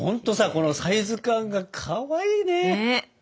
このサイズ感がかわいいね！